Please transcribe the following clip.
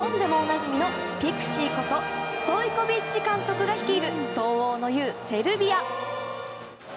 そして日本でもおなじみのピクシーことストイコビッチ監督が率いる東欧の雄、セルビア。